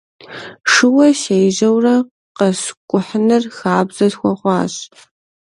Шууэ сежьэурэ къэскӀухьыныр хабзэ схуэхъуащ.